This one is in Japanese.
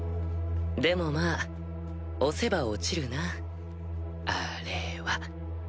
でもまあ押せば落ちるなあ・れ・は。